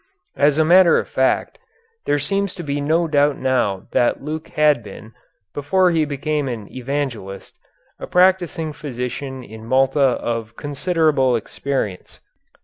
As a matter of fact, there seems to be no doubt now that Luke had been, before he became an Evangelist, a practising physician in Malta of considerable experience.